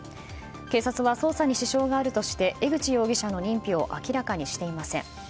警察は捜査に支障があるとして江口容疑者の認否を明らかにしていません。